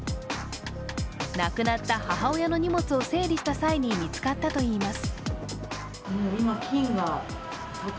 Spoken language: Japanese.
亡くなった母親の荷物を整理した際に見つかったといいます。